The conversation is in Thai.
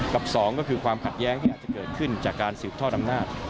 กับสองก็คือความขัดแย้งที่อาจจะเกิดขึ้นจากการสืบทอดอำนาจ